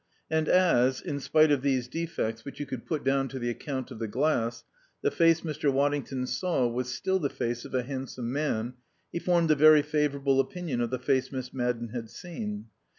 And as (in spite of these defects, which you could put down to the account of the glass) the face Mr. Waddington saw was still the face of a handsome man, he formed a very favourable opinion of the face Miss Madden had seen.